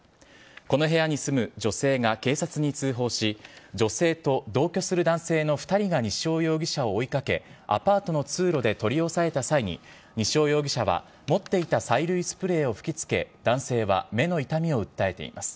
この部屋に住む女性が警察に通報し、女性と同居する男性の２人が西尾容疑者を追いかけ、アパートの通路で取り押さえた際に、西尾容疑者は持っていた催涙スプレーを吹きつけ、男性は目の痛みを訴えています。